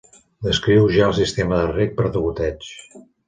Descriu ja el sistema de reg per degoteig.